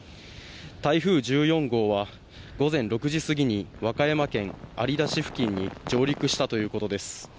台風１４号は、午前６時すぎに和歌山県有田市付近に上陸したということです。